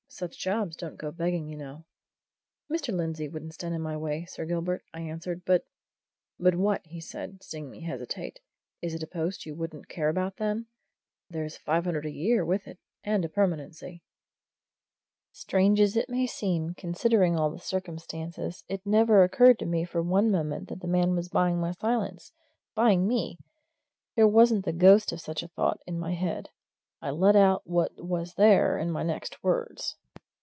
"Such jobs don't go begging, you know." "Mr. Lindsey wouldn't stand in my way, Sir Gilbert," I answered. "But " "But what?" said he, seeing me hesitate. "Is it a post you wouldn't care about, then? There's five hundred a year with it and a permanency." Strange as it may seem, considering all the circumstances, it never occurred to me for one moment that the man was buying my silence, buying me. There wasn't the ghost of such a thought in my head I let out what was there in my next words.